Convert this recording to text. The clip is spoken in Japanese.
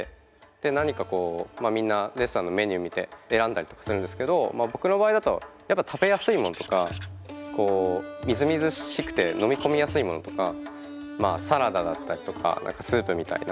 で何かこうみんなレストランのメニュー見て選んだりとかするんですけど僕の場合だとやっぱ食べやすいものとかこうみずみずしくて飲み込みやすいものとかサラダだったりとかスープみたいな。